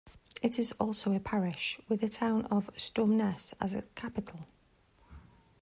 It is also a parish, with the town of Stromness as its capital.